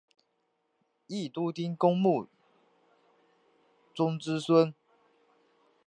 宜都丁公穆崇之孙。